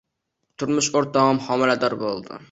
Turmush o`rtog`im homilador bo`ldi